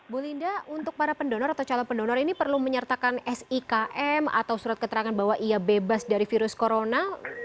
bu linda untuk para pendonor atau calon pendonor ini perlu menyertakan sikm atau surat keterangan bahwa ia bebas dari virus corona